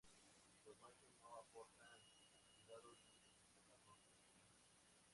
Los machos no aportan cuidados ni protección a los pequeños.